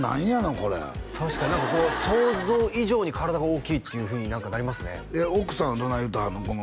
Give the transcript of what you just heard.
これ確かに何かこう想像以上に体が大きいっていうふうになりますね奥さんはどない言うてはんの？